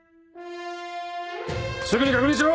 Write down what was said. すぐに確認しろ！